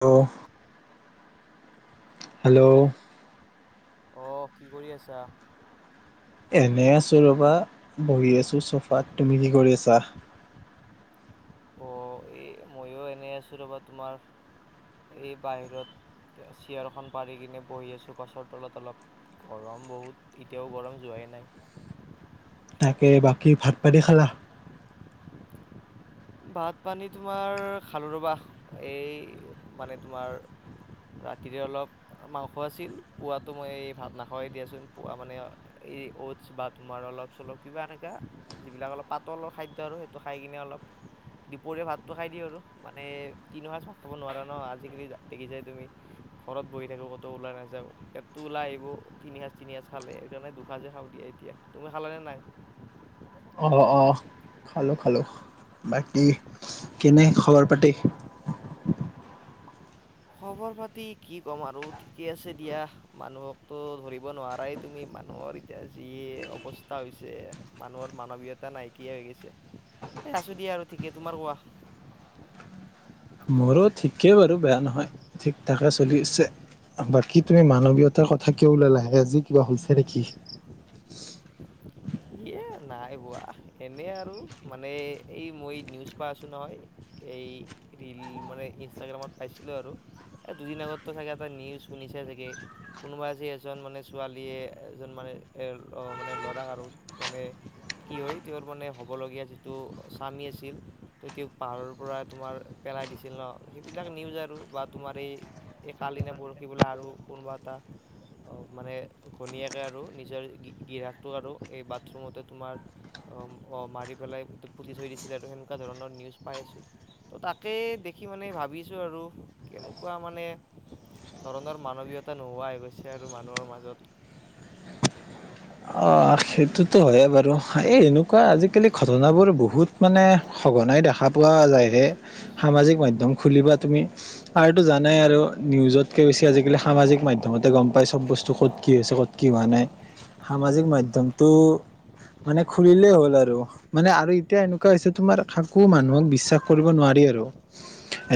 ত' hello অ কি কৰি আছা এনে আছো ৰবা বহি আছো চফাত তুমি কি কৰি আছা অ' এই ময়ো এনেই আছোঁ ৰ'বা তোমাৰ এই বাহিৰত চেয়াৰখন পাৰি কিনে বহি আছোঁ গছৰ তলত অলপ গৰম বহুত এতিয়াও গৰম যোৱাই নাই তাকে বাকী ভাত পানী খালা ভাত পানী তোমাৰ খাল ৰবাহ এই মানে তোমাৰ ৰাতিৰে অলপ মাংস আছিল পোৱাটো মই এই ভাত নাখোৱাই দিয়াচোন পোৱাা মানে এই অ'টছ বা তোমাৰ অলপ চলপ কিবা এনেকুৱা যিবিলাক অলপ পাতলৰ খাদ্য আৰু সেইটো খাই কিনে অলপ দুপৰীয়া ভাতটো খাই দিওঁ আৰু মানে তিনিও সাঁজ ভাত খাব নোৱাৰা ন আজিকালি দেখিছাই তুমি ঘৰত বহি থাকো ক'তও ওলাই নাযাওঁ এতটো ওলাই আহিব তিনি সাঁজ তিনি সাঁজ খালে সেইকাৰণে দুসাঁজে খাৱ এতিয়া তুমি হালে নাই অ অ খালো খালো বাকী কেনে খবৰ পাতি খবৰ পাতি কি ক'ম আৰু ঠিকে আছে দিয়া মানুহকতো ধৰিব নোৱাৰাই তুমি মানুহৰ এতিয়া যি অৱস্থা হৈছে মানুহৰ মানৱীয়তা নাইকিয়া হৈ গৈছে এ আছো দিয়া আৰু ঠিকে তোমাৰ কোৱা মোৰো ঠিকেই বাৰু বেয়া নহয় ঠিক াকা চলি আছে বাকী তুমি মানৱীয়তাৰ কথা কিয় ওলালাহে আজি কিবা হৈছে নেকি এ নাই বোৱা এনে আৰু মানে এই মই নিউজ প আছো নহয় এই ীল মানে ইনষ্টাগ্ৰামত পাইছিলোঁ আৰু এ দুদিন আগতো চাগে এটা নিউজ শুনিছে চাগে কোনোবা যে এজন মানে ছোৱালীয়ে এজন মানে মানে ল'ৰা আৰু মানে কি হয় তেওঁৰ মানে হ'বলগীয়া যিটো স্বামী আছিল ত তেওঁক পাহাৰৰ পৰা তোমাৰ পেলাই দিছিল ন সেইবিলাক নিউজ আৰু বা তোমাৰ এই এই কালিনে পৰহি বোলে আৰু কোনোবা এটা অ' মানে ঘনীয়েকে আৰু নিজৰ গিৰীয়েকটো আৰু এই বাথৰুমতে তোমাৰ মাৰি পেলাই পুতি থৈ দিছিলে আৰু সেনেকুৱা ধৰণৰ নিউজ পাই আছো। ত' তাকেই দেখি মানে ভাবিছোঁ আৰু কেনেকুৱা মানে ধৰনৰ মানৱীয়তা নোহোৱাই গৈছে আৰু মানুহৰ মাজত। অ' সেইটোতো হয়েই বাৰু, এই এনেকুৱা আজিকালি ঘটনাবোৰ বহুত মানে সঘনাই দেখা পোৱা যায়হে, সামাজিক মাধ্যম খুলিবা তুমি আৰুতো জানাই আৰু নিউজতকে বেছি আজিকালি সামাজিক মাধ্যমতে গ'ম পাই চব বস্তু ক'ত কি হৈছে ক'ত কি হোৱা নাই। সামাজিক মাধ্যমটো মানে খুলিলেই হ'ল আৰু। মানে আৰু এতিয়া এনেকুৱা হৈছে তোমাৰ কাকো মানুহক বিশ্বাস কৰিব নোৱাৰি আৰু।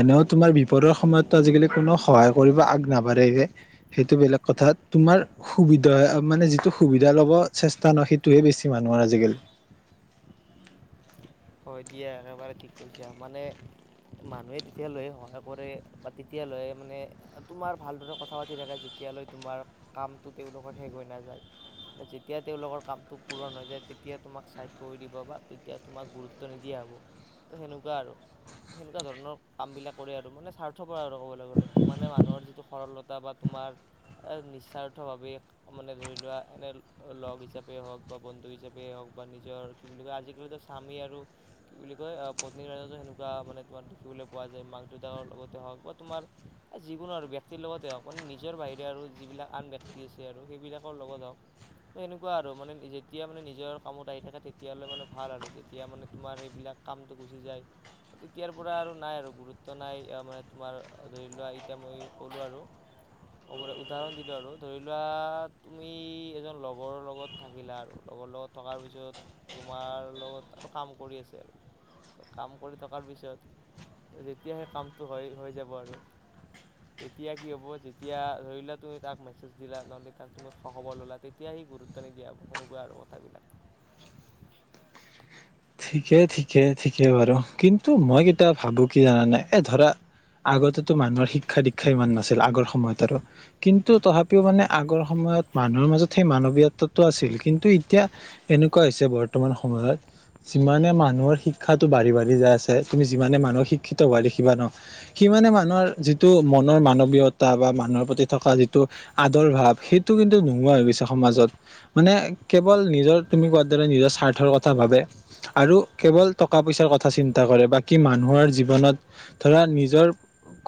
এনেও তোমাৰ বিপদৰ সময়তো আজিকালি কোনেও সহায় কৰিব আগ নাবাঢ়েগে। সেইটো বেলেগ কথাত তোমাৰ সুবিধা মানে যিটো সুবিধা ল'ব চেষ্টা ন সেইটোহে বেছি মানুহৰ আজিকালি। হয় দিয়া একেবাৰে ঠিক কৈছা। মানে মানুহে তেতিয়া লৈ সহায় কৰে বা তেতিয়া লৈ মানে তোমাৰ ভালদৰে কথা পাতি থাকে যেতিয়ালৈ তোমাৰ কামটো তেওঁলোকৰ শেষ হৈ নাযায়। যেতিয়া তেওঁলোকৰ কামটো পূৰণহৈ যায়, তেতিয়া তোমাক চাইড কৰি দিব বা তেতিয়া তোমাক গুৰু গুৰুত্ব নিদিয়া হ'ব ত' সেনেকুৱা আৰু। সেনেকুৱা ধৰণৰ কামবিলাক কৰে আৰু, মানে স্বাৰ্থপৰ আৰু ক'বলৈ গ'লে মানে মানুহৰ যিটো সৰলতা বা তোমাৰ এ নিস্বাৰ্থ ভাৱে মানে ধৰি লোৱা এনে লগ হিচাপে হওঁক বা বন্ধু হিচাপে হওঁক বা নিজৰ কি বুলি কয় আজিকালিতো স্বামী আৰু বুলি কয় আহ পত্নীৰ মাজত সেনেকুৱা মানে তোমাৰ দেখিবলৈ পোৱা যায়। মাক দেউতাকৰ লগতে হওঁক বা তোমাৰ যিকোনো আৰু ব্যক্তিৰ লগতে হওঁক মানে নিজৰ বাহিৰে আৰু যিবিলাক আন ব্যক্তি আছে আৰু সেইবিলাকৰ লগত হওঁক ত' সেনেকুৱা আৰু মানে যেতিয়া মানে নিজৰ কামত আহি থাকে তেতিয়ালৈকে মানে ভাল আৰু, যেতিয়া মানে তোমাৰ সেইবিলাক কামটো গুচি যায় তেতিয়াৰ পৰা আৰু নাই আৰু গুৰুত্ব নাই। মানে তোমাৰ ধৰি লোৱা এতিয়া মই ক'লো আৰু হ'বলৈ উদাহৰণ দিলোঁ আৰু, ধৰি লোৱা তুমি এজন লগৰৰ লগত থাকিলা আৰু লগৰ লগত থকাৰ পিছত তোমাৰ লগত আৰু কাম কৰি আছে। তো কাম কৰি থকাৰ পিছত ত' যেতিয়াহে কামটো হয় হৈ যাব আৰু তেতিয়া কি হ'ব, যেতিয়া ধৰি লোৱা তুমি তাক মেছেজ দিলা নহ'লে তাক তুমি খবৰ ল'লা, তেত তিয়া সি গুৰুত্ব নিদিয়া হ'ব সেনেকুৱা আৰু কথাবিলাক। ঠিকে ঠিকে ঠিকে বাৰু, কিন্তু মই কেতিয়াবা ভাবো কি জানানে? এ ধৰা আগতেতো মানুহৰ শিক্ষা দীক্ষা ইমান নাছিল আগৰ সময়ত আৰু কিন্তু তথাপিও মানে আগৰ সময়ত মানুহৰ মাজত সেই মানৱীয়তাটো আছিল। কিন্তু তো এতিয়া এনেকুৱা হৈছে বৰ্তমান সময়ত যিমানে মানুহৰ শিক্ষাটো বাঢ়ি বাঢ়ি যায় আছে, তুমি যিমানে মানুহক শিক্ষিত হোৱ দেখিবা ন সিমানে মানুহৰ যিটো মনৰ মানৱীয়তা বা মানুহৰ প্ৰতি থকা যিটো আদৰ ভাৱ সেইটো কিন্তু নোহোৱা হৈ গৈছে সমাজত। মানে কেৱল নিজৰ তুমি কোৱাৰ দৰে নিজৰ স্বাৰ্থৰ কথা ভাবে। আৰু কেৱল টকা পইচাৰ কথা চিন্তা কৰে। বাকী মানুহৰ জীৱনত ধৰা নিজৰ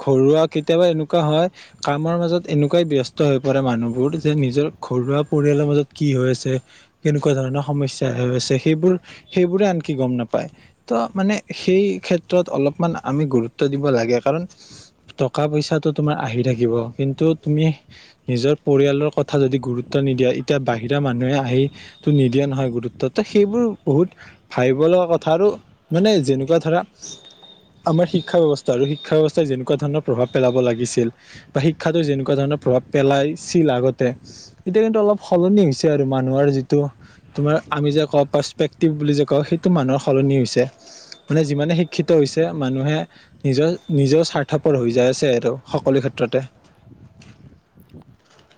ঘৰুৱা কেতিয়াবা এনেকুৱা হয় কামৰ মাজত এনেকুৱাই ব্যস্ত হৈ পৰে মানুহবোৰ যে নিজৰ ঘৰুৱা পৰিয়ালৰ মাজত কি হৈ আছে কেনেকুৱা ধৰণৰ সমস্যা হৈ আছে সেইবোৰ সেইবোৰে আনকি গ'ম নাপায়। ত' মানে সেই ক্ষেত্ৰত অলপমান আমি গুৰুত্ব দিব লাগে। কাৰণ টকা পইচাটো তোমাৰ আহি থাকিব। কিন্তু তুমি নিজৰ পৰিয়ালৰ কথা যদি গুৰুত্ব নিদিয়া, এতিয়া বাহিৰা মানুহে আহি তো নিদিয়া নহয় গুৰুত্বটো সেইবোৰ বহুত ভাবিব লগা কথা, আৰু মানে যেনেকুৱা ধৰা আমাৰ শিক্ষা ব্যৱস্থাটো, শিক্ষা ব্যৱস্থাই যেনেকুৱা ধৰণৰ প্ৰভাৱ পেলাব লাগিছিল বা শিক্ষাতো যেনেকুৱা ধৰণৰ প্ৰভাৱ পেলাইছিল আগতে এতিয়া কিন্তু অলপ সলনি হৈছে আৰু মানুহৰ যিটো তোমাৰ আমি যে কওঁ বুলি যে কওঁ সেইটো মানুহৰ সলনি হৈছে মানে যিমানে শিক্ষিত হৈছে মানুহে নিজৰ নিজৰও স্বাৰ্থপৰ হৈ যাই আছে সটো সকলো ক্ষেত্ৰতে।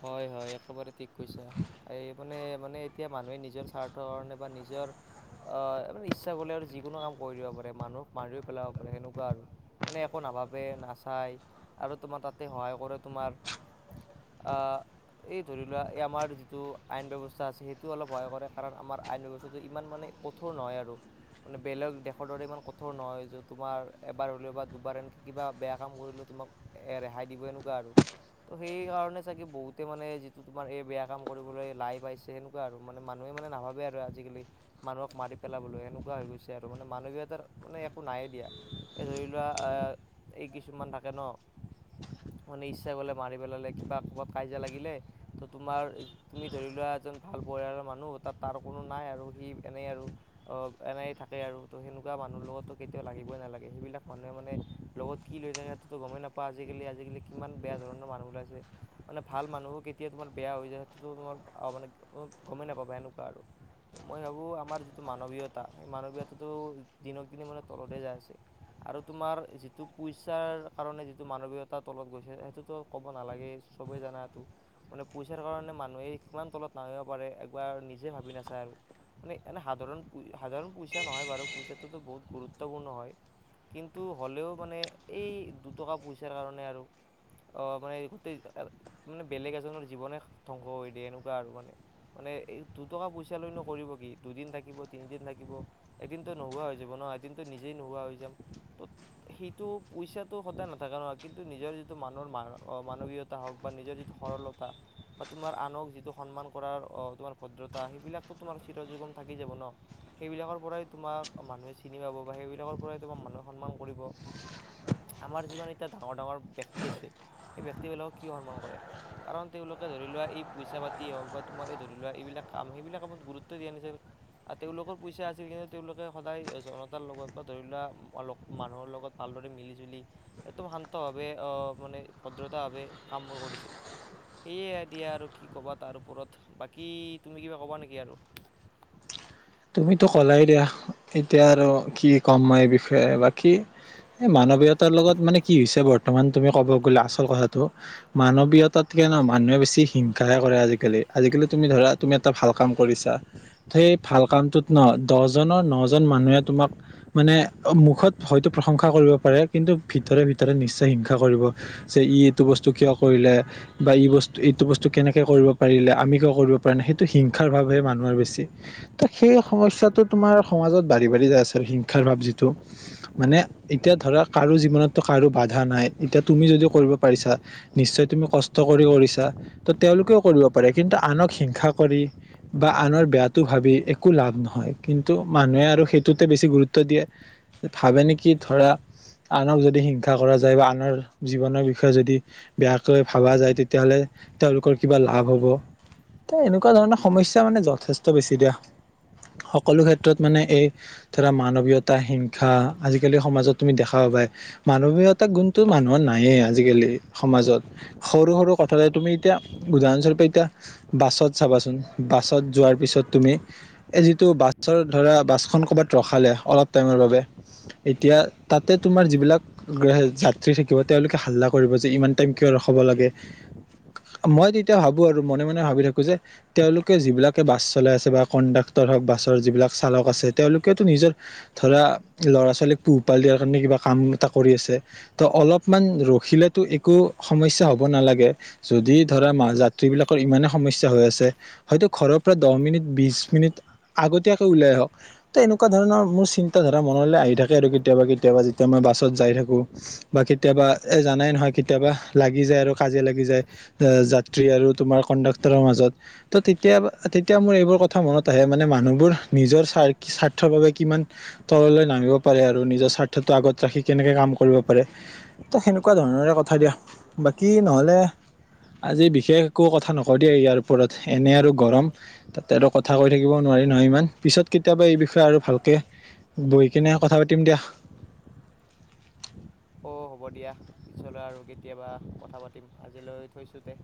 হয়, হয় একেবাৰে ঠিক কৈছা এই মানে মানে তেতিয়া মানুহে নিজৰ স্বাৰ্থকৰণে বা নিজৰ আহ মানে ইচ্ছা কৰিলে আৰু যিকোনো কাম কৰি দব পাৰে মানুহক মাৰিও পেলাব পাৰে সেনেকুৱা আৰু। মানে একো নাভাবে নাচায় আৰু তোমাৰ তাতে সহায় কৰে তোমাৰ আহ। এই ধৰি লোৱা এই আমাৰ যিটো আইন ব্যৱস্থা আছে সেইটো অলপ ভয় কৰে কাৰণ আমাৰ আইন ব্যৱস্থাটো ইমান মানে ক কঠোৰ নহয় আৰু। মানে বেলেগ দেশৰ দৰে ইমান কঠোৰ নহয় যে তোমাৰ এবাৰ হ'লেও বা দুবাৰ এনেকৈ কিবা বেয়া কাম কৰিলেও তোমাক এ ৰেহাই দিব এনেকুৱা আৰু ত' সেই কাৰণে চাগে বহুতে মানে যিটো তোমাৰ এই বেয়া কাম কৰিবলৈ লাই পাইছে সেনেকুৱা আৰু মানে মানুহে মানে নাভাবে আৰু আজিকালি মানুহক মাৰি পেলাবলৈ এনেকুৱা হৈ গৈছে আৰু মানে মানৱীয়তাৰ মানে একো নাইে দিয়া এই ধৰি লোৱা আহ এই কিছুমান থাকে ন মানে ইচ্ছা কৰিলে মাৰি পেলালে কিবা ক'ৰবাত কাজিয়া লাগিলে তো তোমাৰ তুমি ধৰি লোৱা এজন ভাল পৰিয়ালৰ মানুহ তাত তাৰ কোনো নাই আৰু সি এনেই আৰু অ' এনাই থাকে আৰু ত সেনেকুৱা মানুহৰ লগতো কেতিয়াও লাগিবই নালাগে সেইবিলাক মানুহে মানে লগত কি লৈ থাকে সতো গমেই নাপা আজিকালি আজিকালি কিমান বেয়া ধৰণৰ মানুহ ওলাইছে। মানে ভাল মানুহো কেতিয়া তোমাৰ বেয়া হৈ যায় সেইো তোমাৰ মানে গমেই নাপাবা এনেকুৱা আৰু। মই ভাবো আমাৰ যিটো মানৱীয়তা সেই মানৱীয়তাটো দিনক দিনে মানে তলতে যায় আছে। আৰু তোমাৰ যিটো পইচাৰ কাৰণে যিটো মানৱীয়তাৰ তলত গৈছে সেইটোতো ক'ব নালাগে। ছবেই জানা আছে। মানে পইচাৰ কাৰণে মানুহে কিমান তলত নাহিব পাৰে একবাৰ নিজে ভাবি নাচায় আৰু। মানে এনে সাধাৰণ সাধাৰণ পইচা নহয় বাৰু পইচাটোতো বহুত গুৰুত্বপূৰ্ণ হয়। কিন্তু হ'লেও মানে এই দুটকা পইচাৰ কাৰণে আৰু অ' মানে গোটেই মানে বেলেগ এজনৰ জীৱনে ধ্বংস হৈ দিয়ে এনেকুৱা আৰু। মানে এই দুটকা পইচা লৈ নো কৰিব কি দুদিন থাকিব তিনিদিন থাকিব। এদিনতো নোহোৱা হৈ যাব ন এদিনতো নিজেই নোহোৱা হৈ যাম। সেইটো পইচাটো সদায় নাথাকে ন কিন্তু নিজৰ যিটো মানৰ মানৱীয়তা হওক বা নিজৰ যিটো সৰলতা। বা তোমাৰ আনক যিটো সন্মান কৰাৰ তোমাৰ ভদ্ৰতা সেইবিলাকতো তোমাৰ চিৰ যুগম থাকি যাব ন। সেইবিলাকৰ পৰাই তোমাক মানুহে চিনি পাব বা সেইবিলাকৰ পৰাই তোমাক মানুহে সন্মান কৰিব। আমাৰ যিমান এতিয়া ডাঙৰ ডাঙৰ ব্যক্তি আছে সেই ব্যক্তিবিলাকক ক সন্মান কৰে কাৰণ তেওঁলোকে ধৰি লোৱা এই পইচা পাতিয় হওক বা তোমাৰ ধৰি লোৱা এইবিলাক কাম সেইবিলাক আপত গুৰু্ব দিয়া। আৰু তেওঁলোকৰ পইচা আছিল কিন্তু তেওঁলোকে সদায় জনতাৰ লগত বা ধৰি লোৱা মানুহৰ লগত ভালদৰে মিলি জুলি একদম শান্তভাৱে মানে ভদ্ৰতাভাৱে কামবোৰ কৰিছিল। সেয়াই দিয়া আৰু কি ক'বা তাৰ ওপৰত বাকী তুমি কিবা ক'বা নেকি আৰু? তুমিতো কলাই দিয়া এতিয়া আৰু কি কম মই এই বিষয়ে বা কি এই মানৱীয়তাৰ লগত মানে কি হৈছে বৰ্তমান তুমি ক'ব গ'লে আচল কথাটো মানৱীয়তাতকে নহ মানুহে বেছি হিংসাহে কৰে আজিকালি আজিকালি তুমি ধৰা তুমি এটা ভাল কাম কৰিছা সেই ভাল কামটোত ন দহজনৰ নজন মানুহে তোমাক মানে মুখত হয়তো প্ৰশংসা কৰিব পাৰে কিন্তু ভিতৰে ভিতৰে নিশ্চয় হিংসা কৰিব। যে ই এইটো বস্তু কিয় কৰিলে। বা ই বস্তু এইটো বস্তু কেনেকে কৰিব পাৰিলে আমি কিয় কৰিব পাৰি নাই সেইটো হিংসাৰ ভাৱহে মানুহৰ বেছি। ত সেই সমস্যয়াটো তোমাৰ সমাজত বাঢ়ি বাঢ়ি যায় আছে আৰু হিংসাৰ ভাৱ যিটো। মানে এতিয়া ধৰা কাৰো জীৱনতো কাৰো বাধা নাই এতিয়া তুমি যদিও কৰিব পাৰিছা। নিশ্চয় তুমি কষ্ট কৰি কৰিছা ত তেওঁলোকেও কৰিব পাৰে কিন্তু আনক হিংসা কৰি বা আনৰ বেয়াটো ভাবি একো একো লাভ নহয় কিন্তু মানুহে আৰু সেইটোতে বেছি গুৰুত্ব দিয়ে। ভাবে নেকি ধৰা। আনক যদি হিংসা কৰা যায় বা আনৰ জীৱনৰ বিষয়ে যদি। বেয়াকৈ ভাবা যায়, তেতিয়া হ'লে তেওঁলোকৰ কিবা লাভ হ'ব। ত এনেকুৱা ধৰণৰ সমস্যা মানে যথেষ্ট বেছি দিয়া। সকলো ক্ষেত্ৰত মানে এই- ধৰা মানৱীয়তা, হিংসা আজিকালি সমাজত তুমি দেখা পাবাই। মানৱীয়তা গুণটো মানুহৰ নায়েই আজিকালি সমাজত। সৰু সৰু কথাতে তুমি এতিয়া উদাহৰণস্বৰূপে এতিয়া। বাছত চাবাচোন, বাছত যোৱাৰ পিছত তুমি- এই যিটো বাছৰ ধৰা, বাছখন ক'ৰবাত ৰখালে অলপ টাইমৰ বাবে। এতিয়া তাতে তোমাৰ যিবিলাক। যাত্ৰী থাকিব, তেওঁলোকে হাল্লা কৰিব যে ইমান টাইম কিয় ৰখাব লাগে। মই তেতিয়া ভাবোঁ আৰু মনে মনে ভাবি থাকো যে, তেওঁলোকে যিবিলাকে বাছ চলাই আছে বা কণ্ডাক্টৰ হওঁক, বাছৰ যিবিলাক চালক আছে তেওঁলোকেতো নিজৰ- ধৰা ল'ৰা-ছোৱালীক পোহপাল দিয়াৰ কাৰণে কিবা কাম এটা কৰি আছে। ত অলপমান ৰখিলেতো একো সমস্যা হ'ব নালাগে। যদি ধৰা মা যাত্ৰী বিলাকৰ ইমানে সমস্যা হৈ আছে। হয়তো ঘৰৰ পৰা দহ মিনিট, বিশ মিনিট আগতীয়াকে ওলাই আহক। তে এনেকুৱা ধৰণৰ মোৰ চিন্তা ধাৰা মনলৈ আহি থাকে আৰু কেতিয়াবা কেতিয়াবা যেতিয়া মই বাছত যাই থাকোঁ। বা কেতিয়াবা এ জানাই নহয় কেতিয়াবা লাগি যায় আৰু কাজিয়া লাগি যায়। যাত্ৰী আৰু তোমাৰ কণ্ডাক্টৰৰ মাজত ত তেতিয়া, তেতিয়া মোৰ এইবোৰ কথা মনত আহে মানে মানুহবোৰ নিজৰ স্বাৰ স্বাৰ্থৰ বাবে কিমান- তললৈ নামিব পাৰে আৰু নিজৰ স্বাৰ্থটো আগত ৰাখি কেনেকে কাম কৰিব পাৰে। তো সেনেকুৱা ধৰণৰে কথা দিয়া, বাকী নহ'লে- আজি বিশেষ একো কথা নকও দিয়া ইয়াৰ ওপৰত, এনে আৰু গৰম তাতে আৰু- কথা কৈ থাকিব নোৱাৰি নহয় ইমান, পিছত কেতিয়াবা এই বিষয়ে আৰু ভালকৈ বহি কিনে কথা পাতিম দিয়া। অ', হ'ব দিয়া, পিছলৈ আৰু কেতিয়াবা কথা পাতিম আজিলৈ থৈছোঁতে।